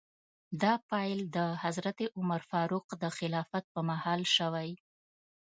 دا پیل د حضرت عمر فاروق د خلافت په مهال شوی.